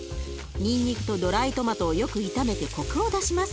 にんにくとドライトマトをよく炒めてコクを出します。